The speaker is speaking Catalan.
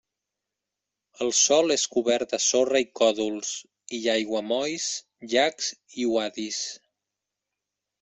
El sòl és cobert de sorra i còdols; hi ha aiguamolls, llacs i uadis.